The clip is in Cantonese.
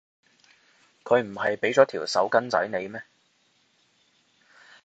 佢唔係畀咗條手巾仔你咩？